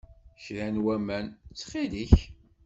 Kra n waman, ttxil-k.